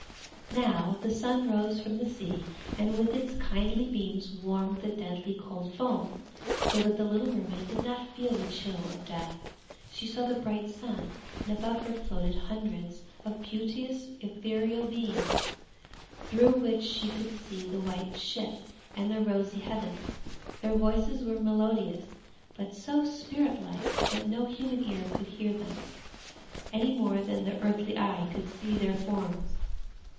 Now the sun rose from the sea and with its kindly beams warmed the deadly cold foam, so that the little mermaid did not feel the chill of death. She saw the bright sun, and above her floated hundreds of beauteous ethereal beings, through which she could see the white ship and the rosy heavens; their voices were melodious, but so spirit like that no human ear could hear them, any more than earthly eye could see their forms.